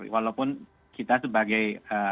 walaupun kita sebagai